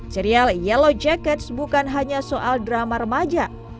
serial yellow jackets bukan hanya soal drama remaja